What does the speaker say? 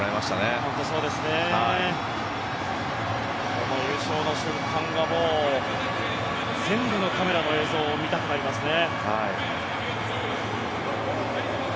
この優勝の瞬間は全部のカメラの映像を見たくなりますね。